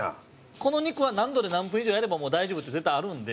この肉は何度で何分以上やればもう大丈夫って絶対あるんで。